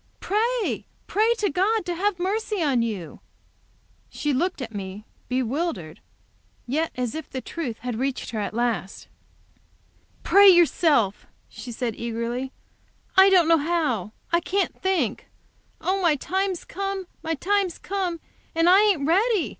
"Pray, pray to God to have mercy on you!" She looked at me, bewildered, but yet as if the truth had reached her at last. "Pray yourself!" she said, eagerly. "I don't know how. I can't think. Oh, my time's come my time's come! And I ain't ready!